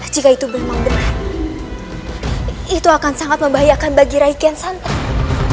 jika itu benar itu akan sangat membahayakan bagi rai kian santang